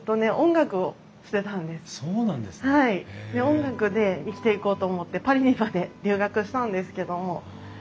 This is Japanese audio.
音楽で生きていこうと思ってパリにまで留学したんですけども。